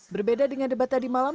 berbeda dengan debat tadi malam